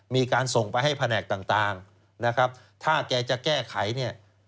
มีการส่งไปให้แผนกต่างถ้าแกจะแก้ไข